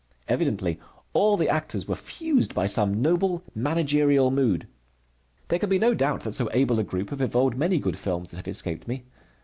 Evidently all the actors were fused by some noble managerial mood. There can be no doubt that so able a group have evolved many good films that have escaped me.